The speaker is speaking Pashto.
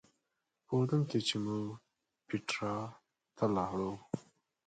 په اردن کې چې موږ پیټرا ته لاړو.